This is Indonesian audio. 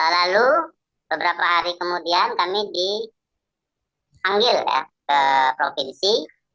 lalu beberapa hari kemudian kami di panggil ke provinsi